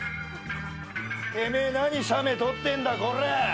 てめえ何写メ撮ってんだこらぁ！